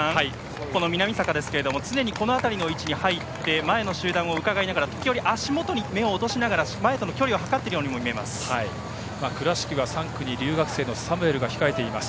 南坂ですけども常に、この辺りの位置に入って前の集団をうかがいながら時折、足元に目を落としながら前との距離を測っているようにも見えます。